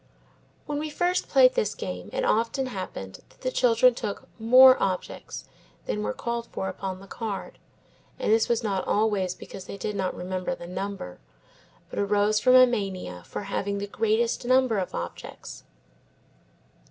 When we first played this game it often happened that the children took more objects than were called for upon the card, and this was not always because they did not remember the number, but arose from a mania for the having the greatest number of objects.